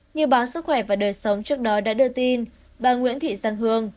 như báo sức khỏe và đời sống trước đó đã đưa tin bà nguyễn thị giang hương